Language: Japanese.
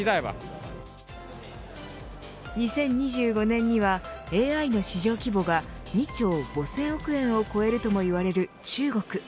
２０２５年にはＡＩの市場規模が２兆５０００億円を超えるともいわれる中国。